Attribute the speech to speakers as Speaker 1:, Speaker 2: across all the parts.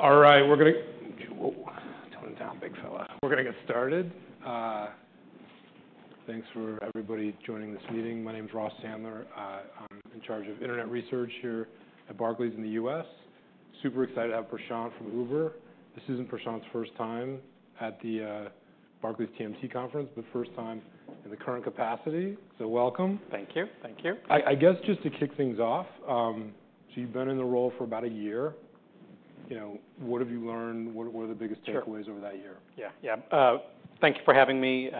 Speaker 1: All right, we're gonna. Whoa, tone down, big fella. We're gonna get started. Thanks for everybody joining this meeting. My name's Ross Sandler. I'm in charge of Internet research here at Barclays in the U.S. Super excited to have Prashanth from Uber. This isn't Prashanth's first time at the Barclays TMT conference, but first time in the current capacity. So welcome.
Speaker 2: Thank you. Thank you.
Speaker 1: I guess just to kick things off, so you've been in the role for about a year. You know, what have you learned? What are the biggest takeaways over that year?
Speaker 2: Sure. Yeah. Thank you for having me.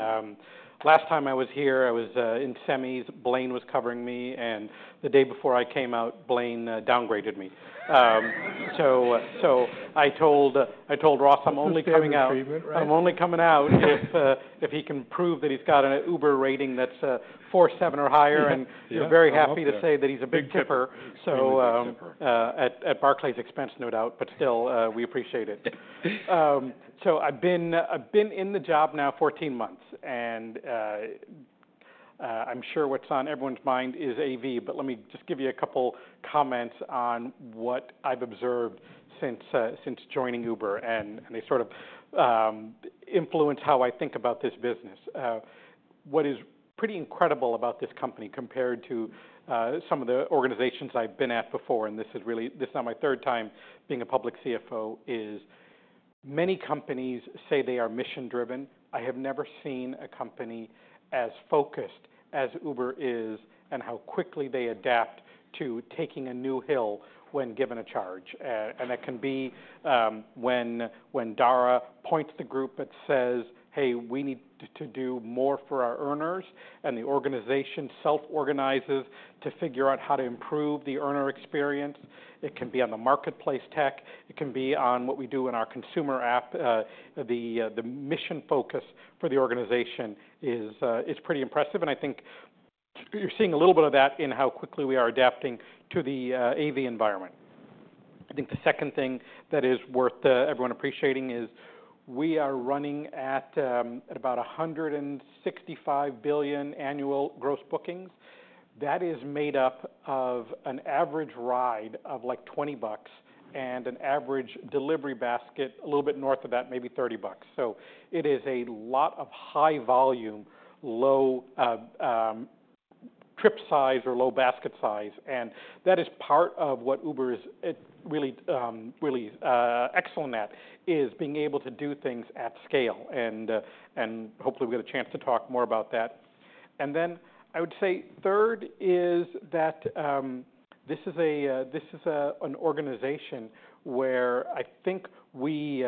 Speaker 2: Last time I was here, I was in semis. Blaine was covering me, and the day before I came out, Blaine downgraded me, so I told Ross I'm only coming out.
Speaker 1: It's a fair treatment, right?
Speaker 2: I'm only coming out if, if he can prove that he's got an Uber rating that's 4.7 or higher.
Speaker 1: Yeah.
Speaker 2: You know, very happy to say that he's a big tipper.
Speaker 1: Big tipper.
Speaker 2: So, at Barclays' expense, no doubt. But still, we appreciate it. So I've been in the job now 14 months, and I'm sure what's on everyone's mind is AV, but let me just give you a couple comments on what I've observed since joining Uber, and they sort of influence how I think about this business. What is pretty incredible about this company compared to some of the organizations I've been at before, and this is really, this is now my third time being a public CFO, is many companies say they are mission-driven. I have never seen a company as focused as Uber is and how quickly they adapt to taking a new hill when given a charge. and that can be, when Dara points to the group and says, "Hey, we need to do more for our earners," and the organization self-organizes to figure out how to improve the earner experience. It can be on the marketplace tech. It can be on what we do in our consumer app. The mission focus for the organization is pretty impressive. And I think you're seeing a little bit of that in how quickly we are adapting to the AV environment. I think the second thing that is worth everyone appreciating is we are running at about $165 billion annual gross bookings. That is made up of an average ride of like $20 and an average delivery basket a little bit north of that, maybe $30. So it is a lot of high volume, low trip size or low basket size. And that is part of what Uber is, really, really excellent at, is being able to do things at scale. And hopefully we'll get a chance to talk more about that. And then I would say third is that this is an organization where I think we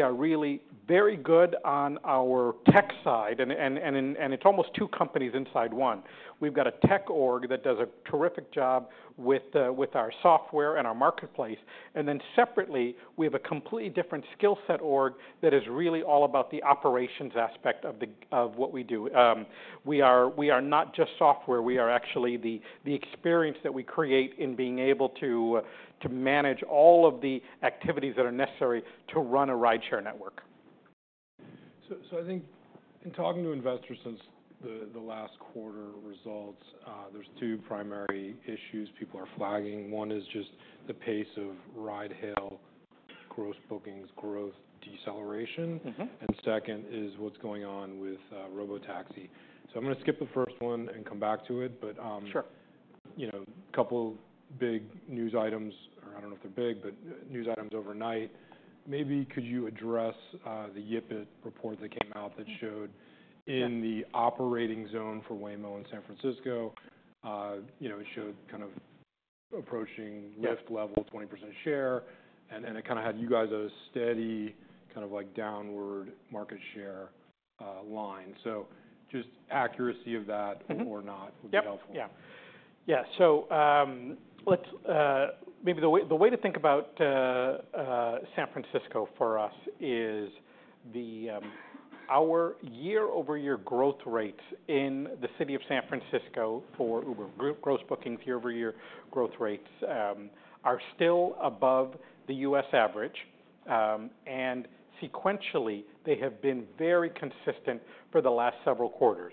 Speaker 2: are really very good on our tech side, and it's almost two companies inside one. We've got a tech org that does a terrific job with our software and our marketplace. And then separately, we have a completely different skill set org that is really all about the operations aspect of what we do. We are not just software. We are actually the experience that we create in being able to manage all of the activities that are necessary to run a rideshare network.
Speaker 1: I think in talking to investors since the last quarter results, there's two primary issues people are flagging. One is just the pace of ride-hail gross bookings growth deceleration.
Speaker 2: Mm-hmm.
Speaker 1: And second is what's going on with Robotaxi. So I'm gonna skip the first one and come back to it, but,
Speaker 2: Sure.
Speaker 1: You know, a couple big news items, or I don't know if they're big, but news items overnight. Maybe could you address the YipitData report that came out that showed.
Speaker 2: Mm-hmm.
Speaker 1: In the operating zone for Waymo in San Francisco, you know, it showed kind of approaching Lyft level, 20% share, and it kinda had you guys as a steady kind of like downward market share line. So just accuracy of that or not would be helpful.
Speaker 2: Yeah. So, let's maybe the way to think about San Francisco for us is our year-over-year growth rates in the city of San Francisco for Uber gross bookings, year-over-year growth rates, are still above the U.S. average. And sequentially, they have been very consistent for the last several quarters.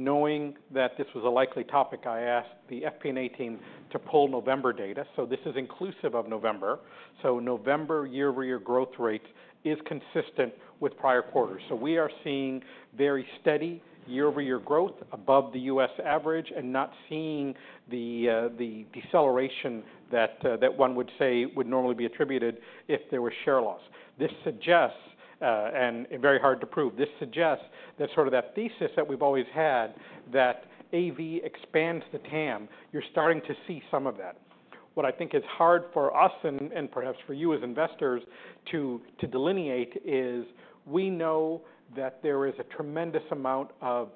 Speaker 2: Knowing that this was a likely topic, I asked the FP&A team to pull November data. So this is inclusive of November. So November year-over-year growth rate is consistent with prior quarters. So we are seeing very steady year-over-year growth above the U.S. average and not seeing the deceleration that one would say would normally be attributed if there was share loss. This suggests, and very hard to prove, this suggests that sort of that thesis that we've always had, that AV expands the TAM. You're starting to see some of that. What I think is hard for us and perhaps for you as investors to delineate is we know that there is a tremendous amount of,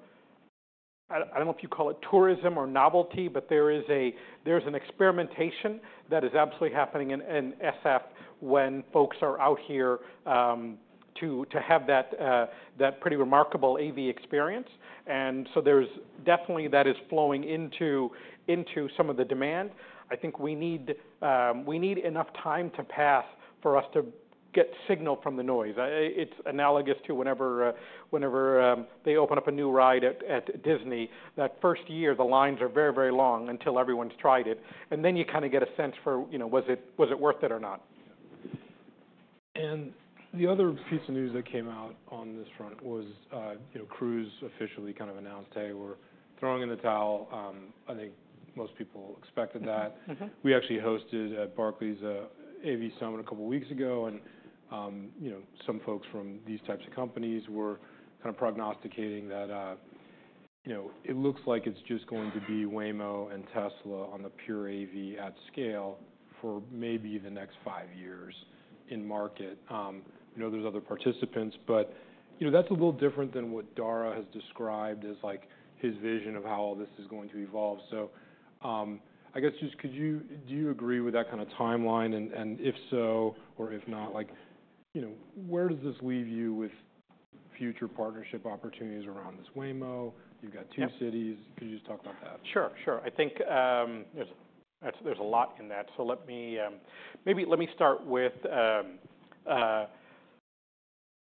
Speaker 2: I don't know if you call it tourism or novelty, but there is a, there's an experimentation that is absolutely happening in SF when folks are out here, to have that pretty remarkable AV experience. And so there's definitely that is flowing into some of the demand. I think we need enough time to pass for us to get signal from the noise. It's analogous to whenever they open up a new ride at Disney. That first year, the lines are very, very long until everyone's tried it. And then you kinda get a sense for, you know, was it worth it or not.
Speaker 1: The other piece of news that came out on this front was, you know, Cruise officially kind of announced, "Hey, we're throwing in the towel." I think most people expected that.
Speaker 2: Mm-hmm.
Speaker 1: We actually hosted Barclays' AV Summit a couple weeks ago, and, you know, some folks from these types of companies were kinda prognosticating that, you know, it looks like it's just going to be Waymo and Tesla on the pure AV at scale for maybe the next five years in market. I know there's other participants, but, you know, that's a little different than what Dara has described as like his vision of how all this is going to evolve. So, I guess just could you, do you agree with that kinda timeline? And, and if so, or if not, like, you know, where does this leave you with future partnership opportunities around this Waymo? You've got two cities.
Speaker 2: Yeah.
Speaker 1: Could you just talk about that?
Speaker 2: Sure. I think, there's a lot in that. So let me start with,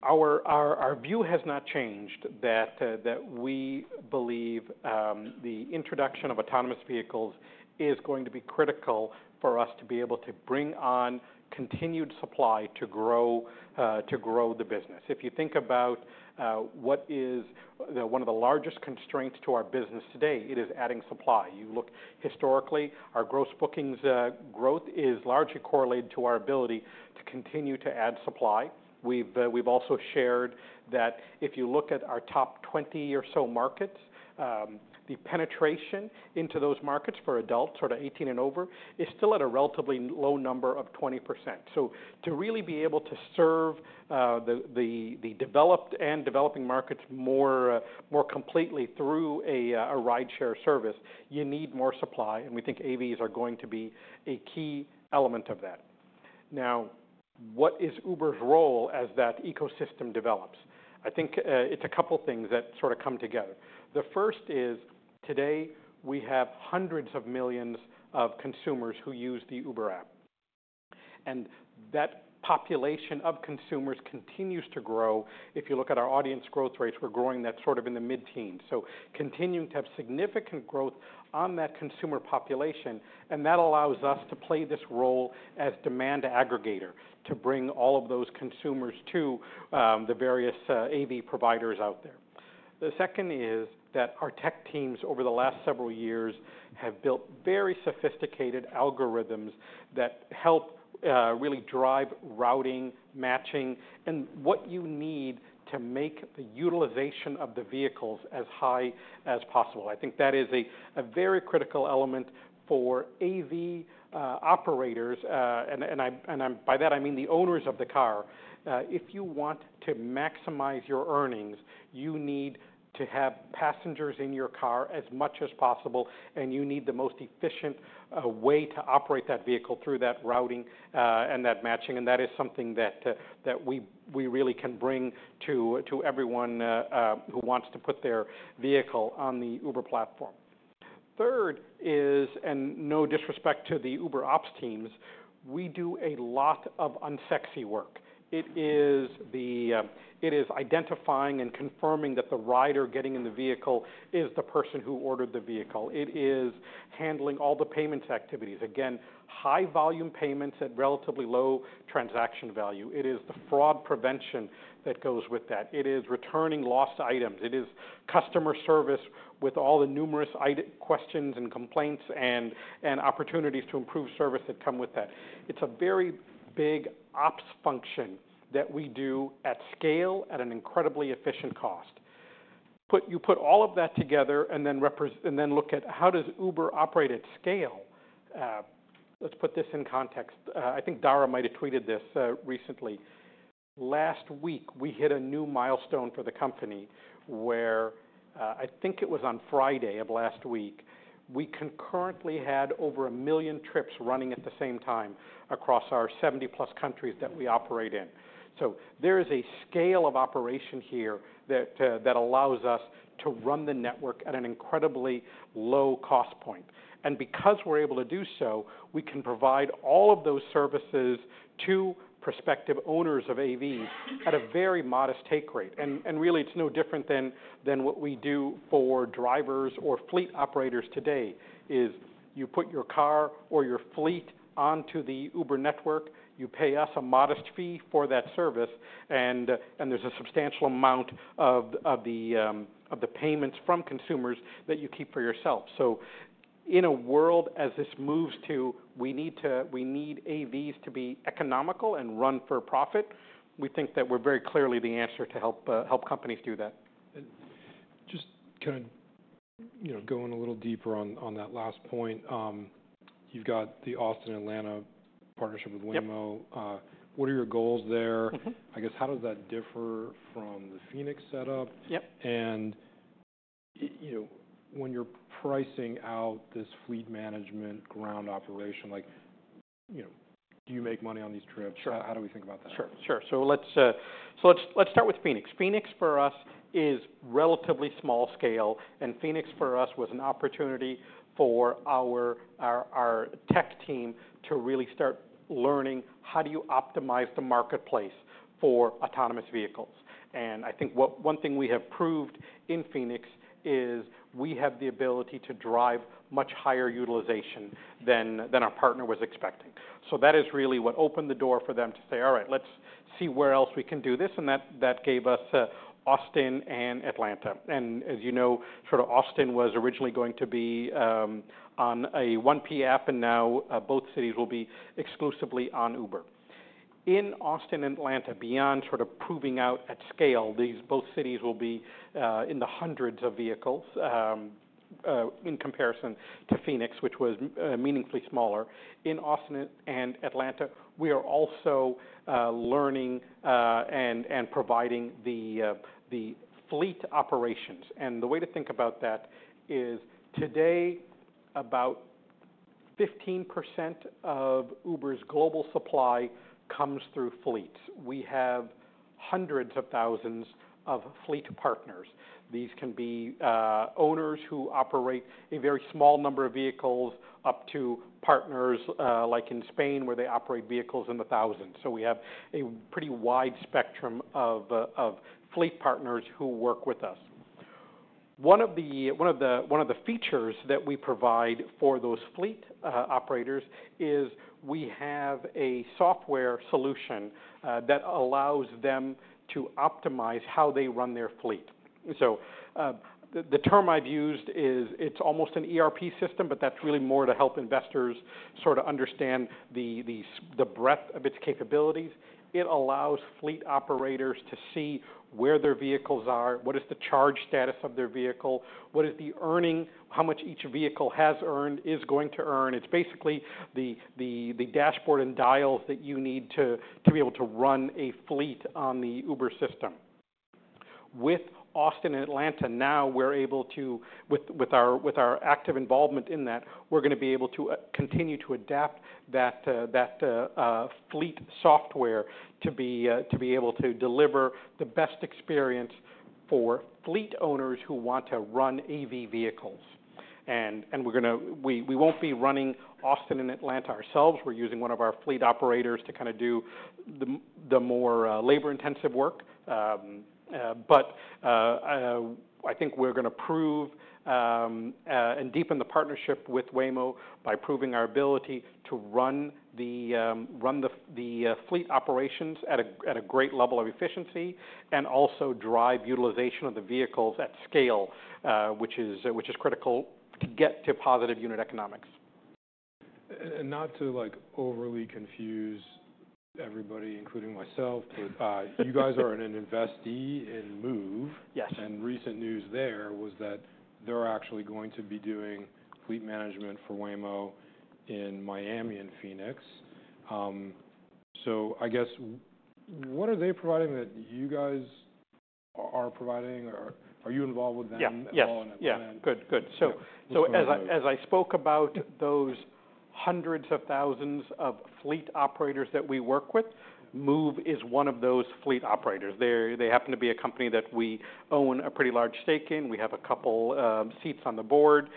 Speaker 2: our view has not changed that we believe the introduction of autonomous vehicles is going to be critical for us to be able to bring on continued supply to grow the business. If you think about, one of the largest constraints to our business today, it is adding supply. You look historically, our gross bookings growth is largely correlated to our ability to continue to add supply. We've also shared that if you look at our top 20 or so markets, the penetration into those markets for adults, sort of 18 and over, is still at a relatively low number of 20%. So to really be able to serve the developed and developing markets more completely through a rideshare service, you need more supply, and we think AVs are going to be a key element of that. Now, what is Uber's role as that ecosystem develops? I think it's a couple things that sort of come together. The first is today we have hundreds of millions of consumers who use the Uber app, and that population of consumers continues to grow. If you look at our audience growth rates, we're growing that sort of in the mid-teens. So continuing to have significant growth on that consumer population, and that allows us to play this role as demand aggregator to bring all of those consumers to the various AV providers out there. The second is that our tech teams over the last several years have built very sophisticated algorithms that help really drive routing, matching, and what you need to make the utilization of the vehicles as high as possible. I think that is a very critical element for AV operators. And by that, I mean the owners of the car. If you want to maximize your earnings, you need to have passengers in your car as much as possible, and you need the most efficient way to operate that vehicle through that routing, and that matching. And that is something that we really can bring to everyone who wants to put their vehicle on the Uber platform. Third is, and no disrespect to the Uber Ops teams, we do a lot of unsexy work. It is identifying and confirming that the rider getting in the vehicle is the person who ordered the vehicle. It is handling all the payments activities. Again, high volume payments at relatively low transaction value. It is the fraud prevention that goes with that. It is returning lost items. It is customer service with all the numerous it questions and complaints and opportunities to improve service that come with that. It's a very big Ops function that we do at scale at an incredibly efficient cost. Put all of that together and then represent and then look at how does Uber operate at scale. Let's put this in context. I think Dara might have tweeted this recently. Last week, we hit a new milestone for the company where, I think it was on Friday of last week, we concurrently had over a million trips running at the same time across our 70+ countries that we operate in. So there is a scale of operation here that allows us to run the network at an incredibly low cost point. And because we're able to do so, we can provide all of those services to prospective owners of AVs at a very modest take rate. And really, it's no different than what we do for drivers or fleet operators today is you put your car or your fleet onto the Uber network, you pay us a modest fee for that service, and there's a substantial amount of the payments from consumers that you keep for yourself. In a world as this moves to, we need AVs to be economical and run for profit. We think that we're very clearly the answer to help companies do that.
Speaker 1: Just kind of, you know, going a little deeper on, on that last point, you've got the Austin, Atlanta partnership with Waymo.
Speaker 2: Yeah.
Speaker 1: What are your goals there?
Speaker 2: Mm-hmm.
Speaker 1: I guess, how does that differ from the Phoenix setup?
Speaker 2: Yep.
Speaker 1: You know, when you're pricing out this fleet management ground operation, like, you know, do you make money on these trips?
Speaker 2: Sure.
Speaker 1: How do we think about that?
Speaker 2: Sure. So let's start with Phoenix. Phoenix for us is relatively small scale, and Phoenix for us was an opportunity for our tech team to really start learning how do you optimize the marketplace for autonomous vehicles. And I think one thing we have proved in Phoenix is we have the ability to drive much higher utilization than our partner was expecting. So that is really what opened the door for them to say, "All right, let's see where else we can do this." And that gave us Austin and Atlanta. And as you know, sort of Austin was originally going to be on a 1P app, and now both cities will be exclusively on Uber. In Austin and Atlanta, beyond sort of proving out at scale, these both cities will be in the hundreds of vehicles, in comparison to Phoenix, which was meaningfully smaller. In Austin and Atlanta, we are also learning and providing the fleet operations, and the way to think about that is today, about 15% of Uber's global supply comes through fleets. We have hundreds of thousands of fleet partners. These can be owners who operate a very small number of vehicles up to partners like in Spain where they operate vehicles in the thousands. So we have a pretty wide spectrum of fleet partners who work with us. One of the features that we provide for those fleet operators is we have a software solution that allows them to optimize how they run their fleet. The term I've used is it's almost an ERP system, but that's really more to help investors sort of understand the breadth of its capabilities. It allows fleet operators to see where their vehicles are, what is the charge status of their vehicle, what is the earning, how much each vehicle has earned, is going to earn. It's basically the dashboard and dials that you need to be able to run a fleet on the Uber system. With Austin and Atlanta now, with our active involvement in that, we're gonna be able to continue to adapt that fleet software to be able to deliver the best experience for fleet owners who want to run AV vehicles. We won't be running Austin and Atlanta ourselves. We're using one of our fleet operators to kinda do the more labor-intensive work. But I think we're gonna prove and deepen the partnership with Waymo by proving our ability to run the fleet operations at a great level of efficiency and also drive utilization of the vehicles at scale, which is critical to get to positive unit economics.
Speaker 1: Not to, like, overly confuse everybody, including myself, but you guys are an investee in Moove.
Speaker 2: Yes.
Speaker 1: And recent news there was that they're actually going to be doing fleet management for Waymo in Miami and Phoenix. So, I guess, what are they providing that you guys are providing? Or are you involved with them?
Speaker 2: Yes.
Speaker 1: At all in that plan?
Speaker 2: Yeah. Good. Good.
Speaker 1: Okay.
Speaker 2: As I spoke about those hundreds of thousands of fleet operators that we work with, Moove is one of those fleet operators. They happen to be a company that we own a pretty large stake in. We have a couple seats on the board.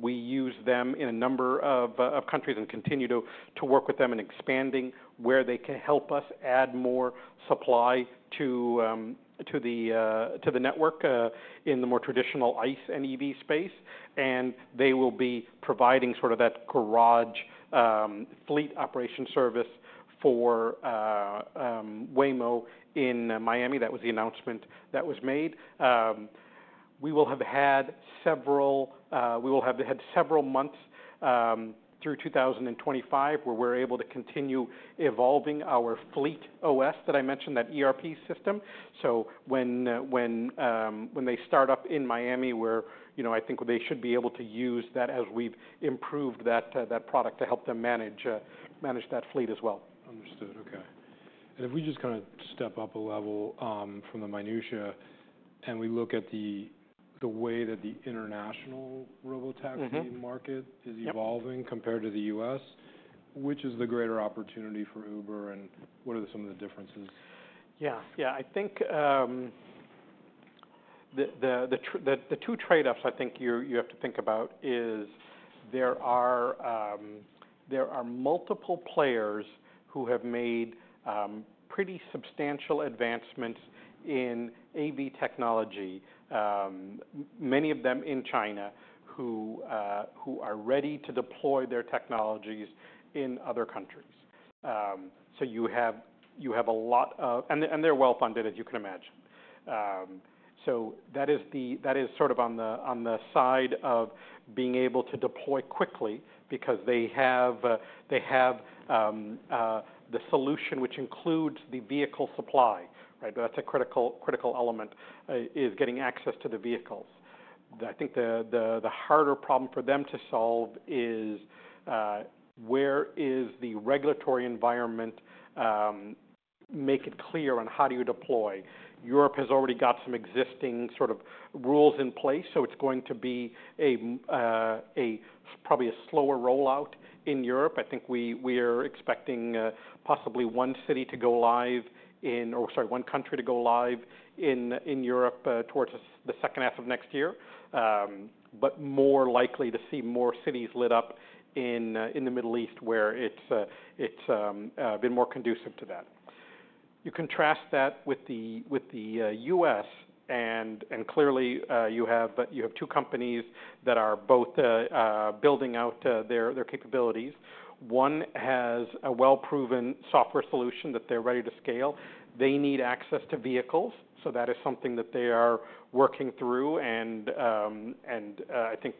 Speaker 2: We use them in a number of countries and continue to work with them in expanding where they can help us add more supply to the network, in the more traditional ICE and EV space. And they will be providing sort of that garage, fleet operation service for Waymo in Miami. That was the announcement that was made. We will have had several months through 2025 where we're able to continue evolving our fleet OS that I mentioned, that ERP system. When they start up in Miami, we're, you know, I think they should be able to use that, as we've improved that product to help them manage that fleet as well.
Speaker 1: Understood. Okay. And if we just kinda step up a level, from the minutiae and we look at the way that the international robotaxi market is evolving compared to the U.S., which is the greater opportunity for Uber and what are some of the differences?
Speaker 2: Yeah. I think the two trade-offs I think you have to think about is there are multiple players who have made pretty substantial advancements in AV technology, many of them in China who are ready to deploy their technologies in other countries, so you have a lot of, and they're well funded, as you can imagine, so that is sort of on the side of being able to deploy quickly because they have the solution which includes the vehicle supply, right? But that's a critical element: getting access to the vehicles. I think the harder problem for them to solve is where the regulatory environment makes it clear on how you deploy. Europe has already got some existing sort of rules in place, so it's going to be a probably a slower rollout in Europe. I think we are expecting possibly one city to go live in, or sorry, one country to go live in, in Europe, towards the second half of next year. But more likely to see more cities lit up in the Middle East where it's been more conducive to that. You contrast that with the U.S. and clearly you have two companies that are both building out their capabilities. One has a well-proven software solution that they're ready to scale. They need access to vehicles, so that is something that they are working through. I think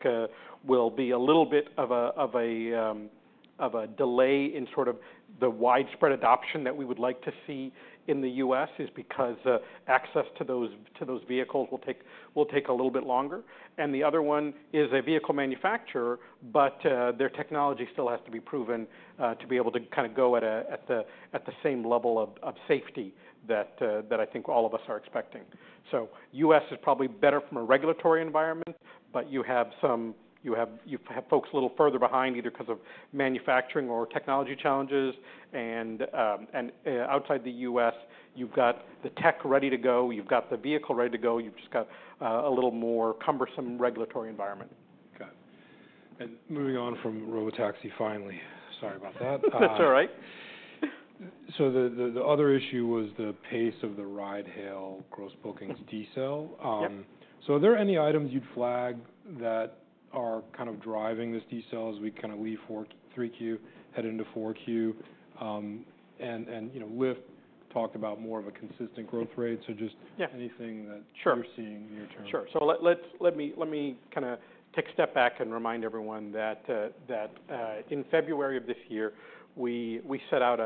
Speaker 2: will be a little bit of a delay in sort of the widespread adoption that we would like to see in the U.S. is because access to those vehicles will take a little bit longer. The other one is a vehicle manufacturer, but their technology still has to be proven to be able to kinda go at the same level of safety that I think all of us are expecting. U.S. is probably better from a regulatory environment, but you have some folks a little further behind either 'cause of manufacturing or technology challenges. Outside the U.S., you've got the tech ready to go. You've got the vehicle ready to go. You've just got a little more cumbersome regulatory environment.
Speaker 1: Okay. And moving on from robotaxi finally. Sorry about that.
Speaker 2: That's all right.
Speaker 1: So the other issue was the pace of the ride-hail gross bookings decel.
Speaker 2: Yeah.
Speaker 1: So are there any items you'd flag that are kind of driving this decel as we kinda leave 4Q, 3Q, head into 4Q? And you know, Lyft talked about more of a consistent growth rate. So just.
Speaker 2: Yeah.
Speaker 1: Anything that.
Speaker 2: Sure.
Speaker 1: You're seeing near-term?
Speaker 2: Sure. So let me kinda take a step back and remind everyone that in February of this year we set out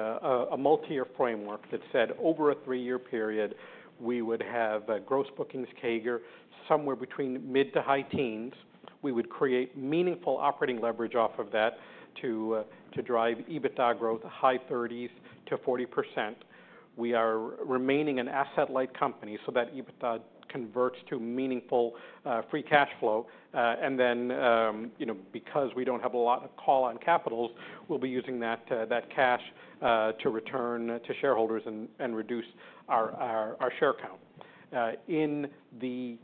Speaker 2: a multi-year framework that said over a three-year period we would have a gross bookings CAGR somewhere between mid- to high-teens %. We would create meaningful operating leverage off of that to drive EBITDA growth, high 30s-40%. We are remaining an asset-light company so that EBITDA converts to meaningful free cash flow. Then, you know, because we don't have a lot of call on capital, we'll be using that cash to return to shareholders and reduce our share count. In the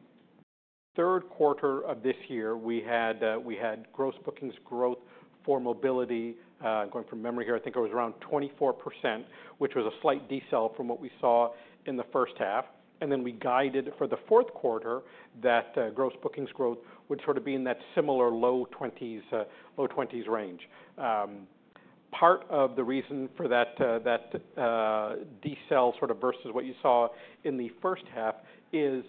Speaker 2: third quarter of this year, we had gross bookings growth for mobility, going from memory here, I think it was around 24%, which was a slight decel from what we saw in the first half. And then we guided for the fourth quarter that gross bookings growth would sort of be in that similar low 20s range. Part of the reason for that decel sort of versus what you saw in the first half is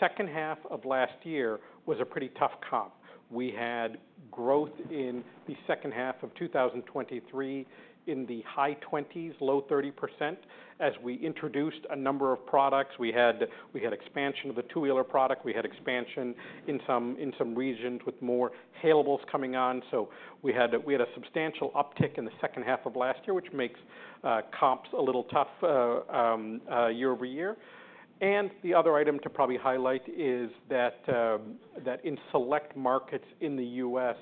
Speaker 2: second half of last year was a pretty tough comp. We had growth in the second half of 2023 in the high 20s, low 30%. As we introduced a number of products, we had expansion of the two-wheeler product. We had expansion in some regions with more hailables coming on. So we had, we had a substantial uptick in the second half of last year, which makes comps a little tough year over year. And the other item to probably highlight is that in select markets in the U.S.,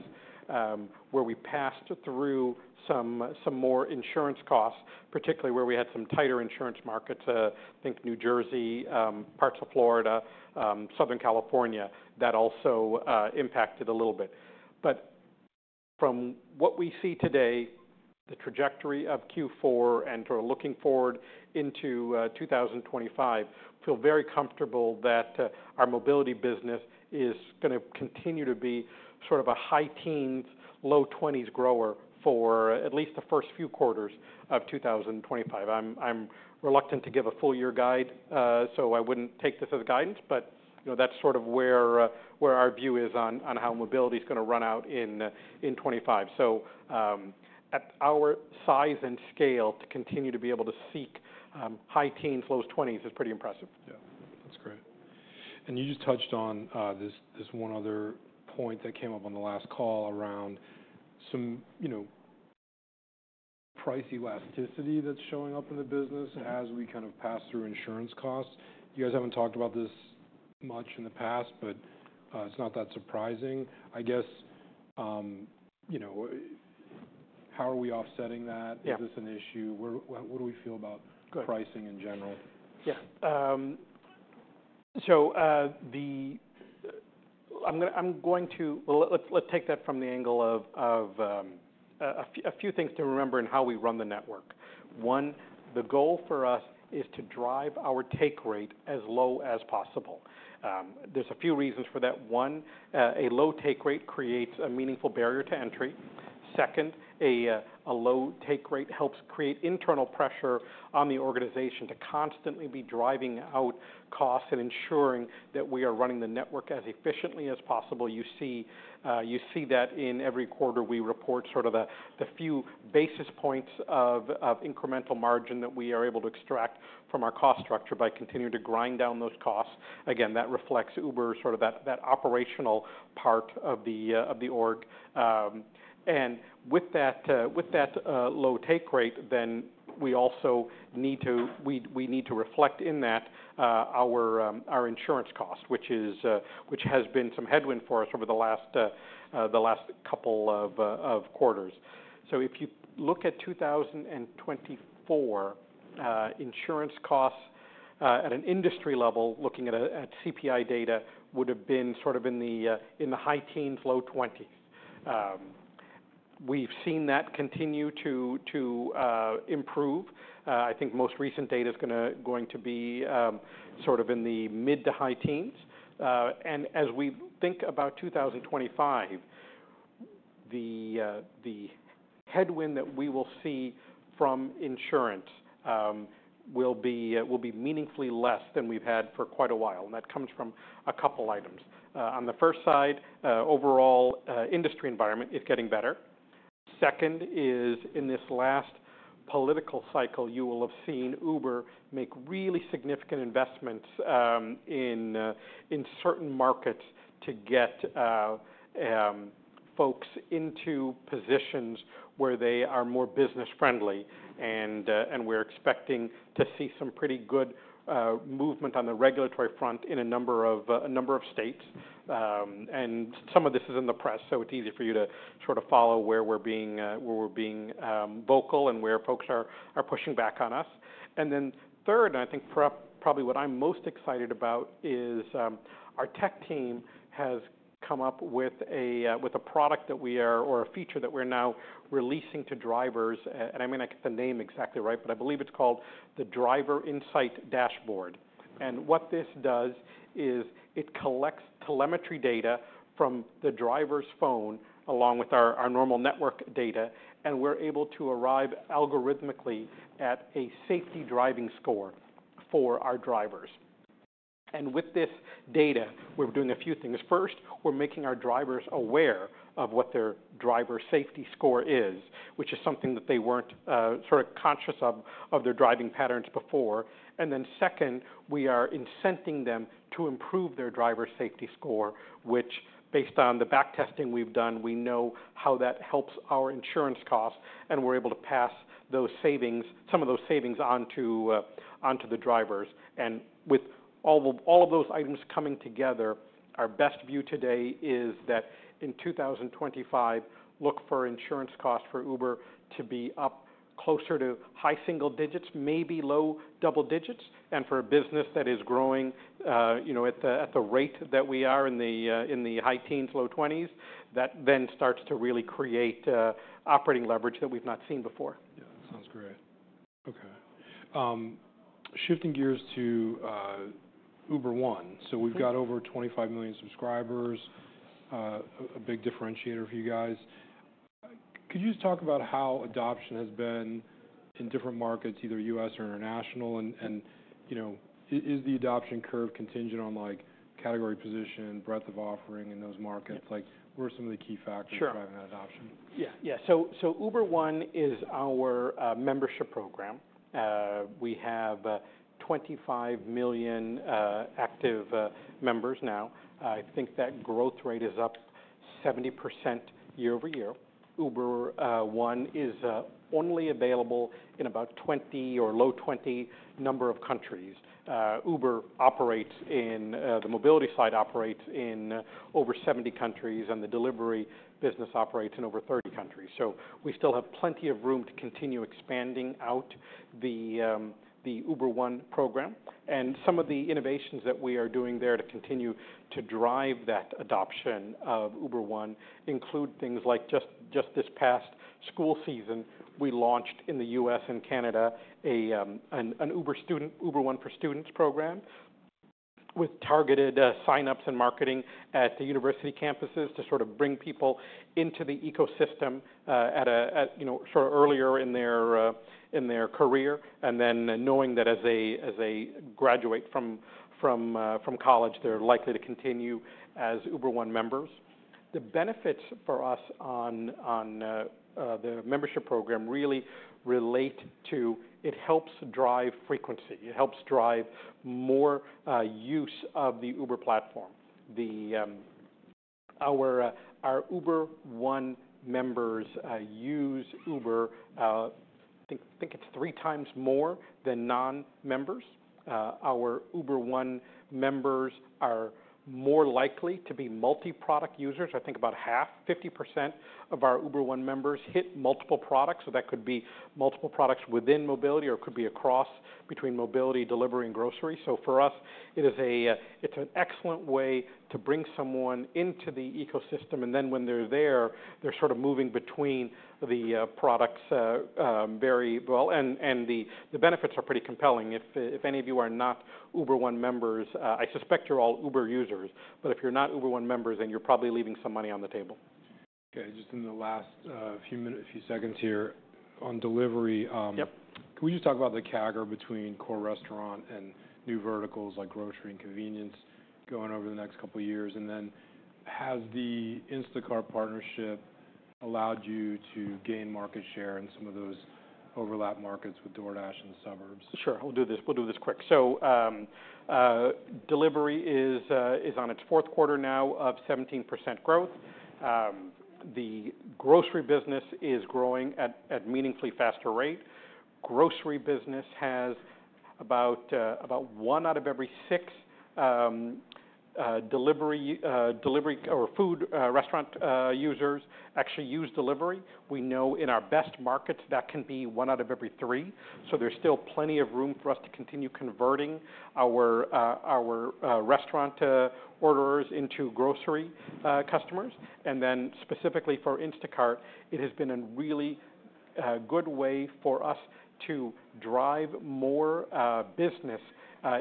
Speaker 2: where we passed through some more insurance costs, particularly where we had some tighter insurance markets, I think New Jersey, parts of Florida, Southern California, that also impacted a little bit. But from what we see today, the trajectory of Q4 and sort of looking forward into 2025 feels very comfortable that our mobility business is gonna continue to be sort of a high teens, low 20s grower for at least the first few quarters of 2025. I'm reluctant to give a full-year guide, so I wouldn't take this as guidance, but, you know, that's sort of where our view is on how mobility's gonna run out in 2025. So, at our size and scale, to continue to be able to seek high teens, low 20s is pretty impressive.
Speaker 1: Yeah. That's great. And you just touched on, this, this one other point that came up on the last call around some, you know, price elasticity that's showing up in the business as we kind of pass through insurance costs. You guys haven't talked about this much in the past, but, it's not that surprising. I guess, you know, how are we offsetting that?
Speaker 2: Yeah.
Speaker 1: Is this an issue? Where, what, what do we feel about?
Speaker 2: Good.
Speaker 1: Pricing in general?
Speaker 2: Yeah. So, I'm going to... well, let's take that from the angle of a few things to remember in how we run the network. One, the goal for us is to drive our take rate as low as possible. There's a few reasons for that. One, a low take rate creates a meaningful barrier to entry. Second, a low take rate helps create internal pressure on the organization to constantly be driving out costs and ensuring that we are running the network as efficiently as possible. You see that in every quarter we report sort of the few basis points of incremental margin that we are able to extract from our cost structure by continuing to grind down those costs. Again, that reflects Uber, sort of that operational part of the org. With that low take rate, then we also need to reflect in that our insurance cost, which has been some headwind for us over the last couple of quarters. So if you look at 2024, insurance costs at an industry level, looking at CPI data, would have been sort of in the high teens, low 20s. We've seen that continue to improve. I think most recent data's going to be sort of in the mid- to high teens. As we think about 2025, the headwind that we will see from insurance will be meaningfully less than we've had for quite a while. That comes from a couple items. On the first side, overall industry environment is getting better. Second is, in this last political cycle, you will have seen Uber make really significant investments in certain markets to get folks into positions where they are more business-friendly, and we're expecting to see some pretty good movement on the regulatory front in a number of states, and some of this is in the press, so it's easy for you to sort of follow where we're being vocal and where folks are pushing back on us. And then third, I think probably what I'm most excited about is our tech team has come up with a product or a feature that we're now releasing to drivers, and I may not get the name exactly right, but I believe it's called the Driver Insight Dashboard. What this does is it collects telemetry data from the driver's phone along with our normal network data, and we're able to arrive algorithmically at a safety driving score for our drivers. With this data, we're doing a few things. First, we're making our drivers aware of what their driver safety score is, which is something that they weren't sort of conscious of their driving patterns before. Second, we are incenting them to improve their driver safety score, which based on the back testing we've done, we know how that helps our insurance costs, and we're able to pass those savings, some of those savings onto the drivers. And with all of those items coming together, our best view today is that in 2025, look for insurance costs for Uber to be up closer to high single digits, maybe low double digits. And for a business that is growing, you know, at the rate that we are in the high teens, low 20s, that then starts to really create operating leverage that we've not seen before.
Speaker 1: Yeah. Sounds great. Okay. Shifting gears to Uber One. So we've got over 25 million subscribers, a big differentiator for you guys. Could you just talk about how adoption has been in different markets, either U.S. or international, and, and, you know, is the adoption curve contingent on, like, category position, breadth of offering in those markets? Like, what are some of the key factors driving that adoption?
Speaker 2: Sure. Yeah. Yeah. So Uber One is our membership program. We have 25 million active members now. I think that growth rate is up 70% year over year. Uber One is only available in about 20 or low 20 number of countries. Uber operates in; the mobility side operates in over 70 countries, and the delivery business operates in over 30 countries. So we still have plenty of room to continue expanding out the Uber One program. And some of the innovations that we are doing there to continue to drive that adoption of Uber One include things like just this past school season, we launched in the US and Canada an Uber One for Students program with targeted signups and marketing at the university campuses to sort of bring people into the ecosystem, at a you know sort of earlier in their career. And then knowing that as they graduate from college, they're likely to continue as Uber One members. The benefits for us on the membership program really relate to it helps drive frequency. It helps drive more use of the Uber platform. Our Uber One members use Uber, I think it's three times more than non-members. Our Uber One members are more likely to be multi-product users. I think about half, 50% of our Uber One members hit multiple products. So that could be multiple products within mobility or it could be across between mobility, delivery, and grocery. So for us, it is an excellent way to bring someone into the ecosystem. And then when they're there, they're sort of moving between the products very well. And the benefits are pretty compelling. If any of you are not Uber One members, I suspect you're all Uber users. But if you're not Uber One members, then you're probably leaving some money on the table.
Speaker 1: Okay. Just in the last few minutes, a few seconds here on delivery.
Speaker 2: Yep.
Speaker 1: Can we just talk about the CAGR between core restaurant and new verticals like grocery and convenience going over the next couple of years? And then has the Instacart partnership allowed you to gain market share in some of those overlap markets with DoorDash and the suburbs?
Speaker 2: Sure. We'll do this. We'll do this quick. Delivery is in its fourth quarter now of 17% growth. The grocery business is growing at a meaningfully faster rate. The grocery business has about one out of every six delivery or food restaurant users actually use grocery. We know in our best markets that can be one out of every three. There's still plenty of room for us to continue converting our restaurant orders into grocery customers. Specifically for Instacart, it has been a really good way for us to drive more business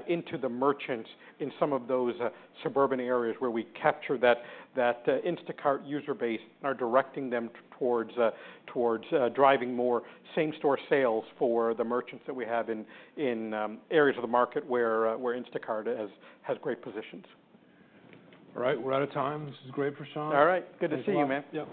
Speaker 2: into the merchants in some of those suburban areas where we capture that Instacart user base and are directing them towards driving more same-store sales for the merchants that we have in areas of the market where Instacart has great positions.
Speaker 1: All right. We're out of time. This is great for Prashanth.
Speaker 2: All right. Good to see you, man.